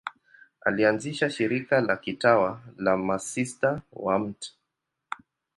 Alianzisha shirika la kitawa la Masista wa Mt.